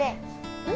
うん？